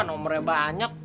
nomernya banyak tuh